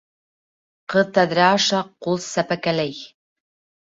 Ҡыҙ тәҙрә аша ҡул сәпәкәләй.